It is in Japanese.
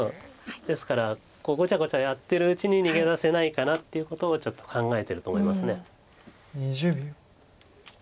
ですからごちゃごちゃやってるうちに逃げ出せないかなっていうことをちょっと考えてると思います。